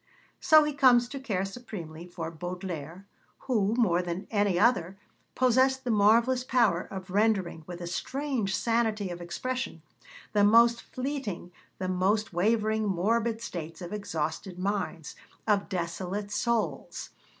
So he comes to care supremely for Baudelaire, 'who, more than any other, possessed the marvellous power of rendering, with a strange sanity of expression, the most fleeting, the most wavering morbid states of exhausted minds, of desolate souls.'